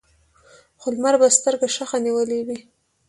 خو لمر به سترګه شخه نیولې وي.